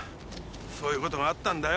そういうことがあったんだよ。